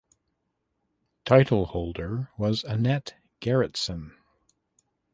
Title holder was Annette Gerritsen.